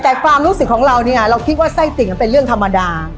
แต่ความรู้สึกของเราเนี่ยเราคิดว่าไส้ติ่งมันเป็นเรื่องธรรมดา